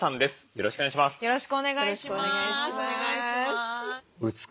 よろしくお願いします。